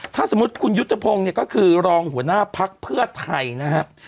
ถ้าสมมุติคุณยุทธพงศ์เนี่ยก็คือรองหัวหน้าพักเพื่อไทยนะครับ